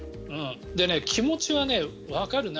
気持ちはわかるな。